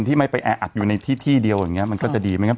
ที่ไม่ไปแออัดอยู่ในที่ที่เดียวอย่างนี้มันก็จะดีไหมครับ